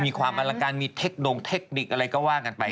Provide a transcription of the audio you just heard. มีความบรรลาการมีเทคโน้งเทคนิคอะไรก็ว่ากันไป